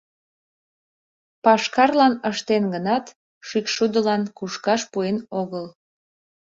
Пашкарлан ыштен гынат, шӱкшудылан кушкаш пуэн огыл.